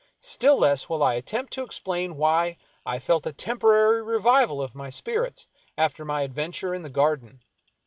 Still less will I attempt to explain why I felt a temporary revival of my spirits after my adventure in the garden.